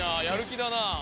やる気だな。